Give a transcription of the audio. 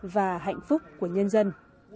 và hạnh phúc của nhân dân